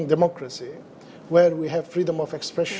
di mana kita memiliki kebebasan ekspresi